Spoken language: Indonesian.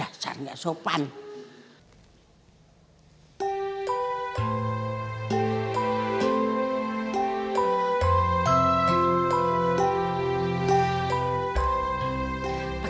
aku aqua aku aku hampir tahu diri